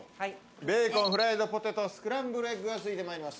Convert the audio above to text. ベーコンフライドポテトスクランブルエッグが付いてまいります。